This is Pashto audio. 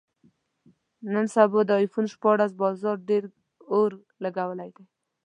نن سبا د ایفون شپاړس بازار ډېر اور لګولی دی.